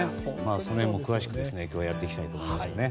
その辺も詳しく今日はやっていきたいと思います。